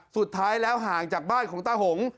สุดท้ายแล้วห่างจากบ้านของตาหง